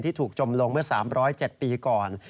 ถูกจมลงเมื่อ๓๐๗ปีก่อน